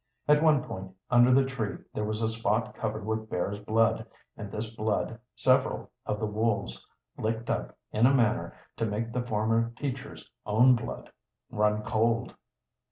At one point under the tree there was a spot covered with bear's blood, and this blood several of the wolves licked up in a manner to make the former teacher's own blood run cold.